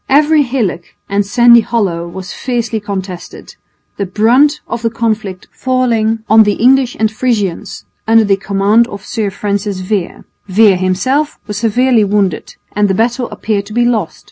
Every hillock and sandy hollow was fiercely contested, the brunt of the conflict falling on the English and Frisians under the command of Sir Francis Vere. Vere himself was severely wounded, and the battle appeared to be lost.